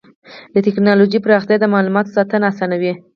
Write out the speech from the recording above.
د ټکنالوجۍ پراختیا د معلوماتو ساتنه اسانوي.